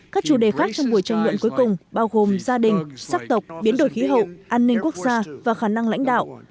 các chủ đề khác trong buổi tranh luận cuối cùng bao gồm gia đình sắc tộc biến đổi khí hậu an ninh quốc gia và khả năng lãnh đạo